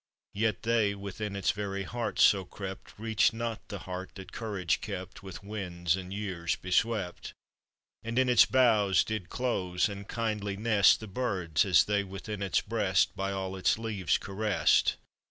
Yet they, within its very heart so crept, Reached not the heart that courage kept With winds and years beswept. And in its boughs did close and kindly nest The birds, as they within its breast, By all its leaves caressed.